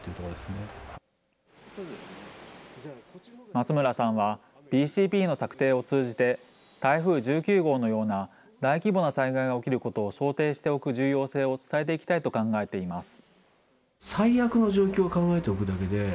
松村さんは、ＢＣＰの策定を通じて、台風１９号のような大規模な災害が起きることを想定しておく重要性を伝えていきたいと考えています。